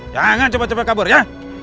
jangan cepat cepat kabur ya